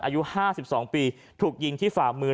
อายุห้าสิบสองปีถูกยิงที่ฝ่ามือ